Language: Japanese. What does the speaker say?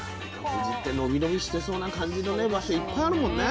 富士ってのびのびしてそうな感じの場所いっぱいあるもんね。